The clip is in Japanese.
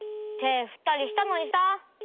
てふったりしたのにさ！